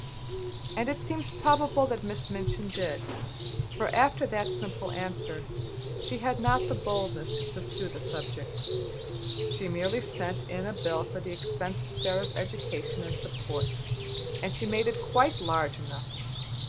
And it seems probable that Miss Minchin did, for after that simple answer she had not the boldness to pursue the subject. She merely sent in a bill for the expense of Sara's education and support, and she made it quite large enough.